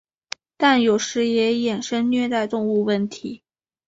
但有时也衍生虐待动物问题。